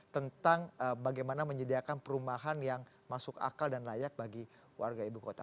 tentang bagaimana menyediakan perumahan yang masuk akal dan layak bagi warga ibu kota